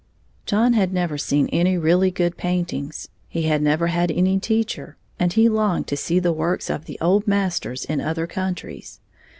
John had never seen any really good paintings; he had never had any teacher; and he longed to see the works of the old masters in other countries.